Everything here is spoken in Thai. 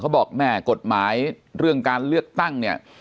บอกแม่กฎหมายเรื่องการเลือกตั้งเนี่ย